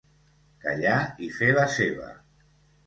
Callar i fer la seva.